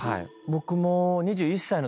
僕も。